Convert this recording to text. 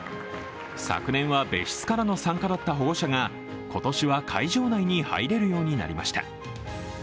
昨年は別室からの参加だった保護者が今年は会場内に入れるようになりました。